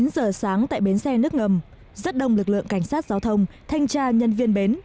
chín giờ sáng tại bến xe nước ngầm rất đông lực lượng cảnh sát giao thông thanh tra nhân viên bến